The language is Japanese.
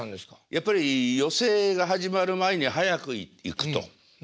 やっぱり寄席が始まる前に早く行くと。